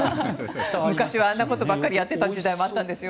昔はあんなことばかりやっていた時代もあったんです。